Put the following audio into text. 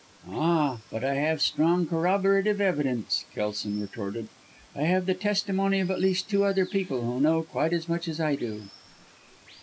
"Ah, but I have strong corroborative evidence," Kelson retorted. "I have the testimony of at least two other people who know quite as much as I do."